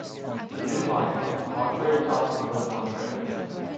The New Lion: Monterrey Tops and North Monterrey.